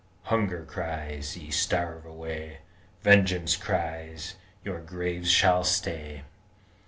Hunger cries, Ye starve: away! Vengeance cries, Your graves shall stay!